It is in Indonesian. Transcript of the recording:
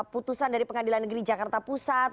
putusan dari pengadilan negeri jakarta pusat